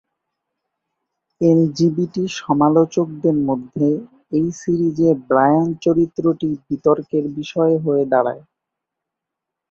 LGBT সমালোচকদের মধ্যে এই সিরিজের ব্রায়ান চরিত্রটি বিতর্কের বিষয় হয়ে দাঁড়ায়।